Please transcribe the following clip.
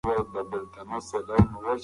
صبر د بريا لاره ده.